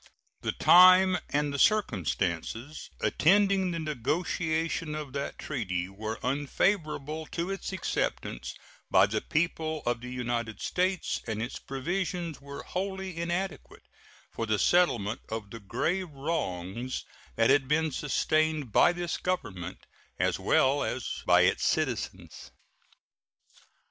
The time and the circumstances attending the negotiation of that treaty were unfavorable to its acceptance by the people of the United States, and its provisions were wholly inadequate for the settlement of the grave wrongs that had been sustained by this Government, as well as by its citizens.